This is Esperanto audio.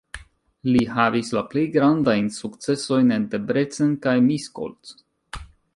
Li havis la plej grandajn sukcesojn en Debrecen kaj Miskolc.